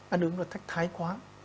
ăn uống là thách thái quá